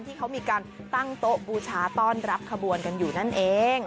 ที่เขามีการตั้งโต๊ะบูชาต้อนรับขบวนกันอยู่นั่นเอง